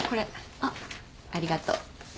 あっありがとう。